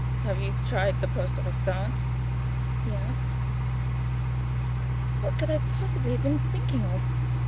"Have you tried the Poste Restante?" he asked. What could I possibly have been thinking of!